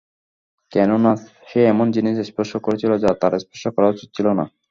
কেননা, সে এমন জিনিস স্পর্শ করেছিল যা তার স্পর্শ করা উচিত ছিল না।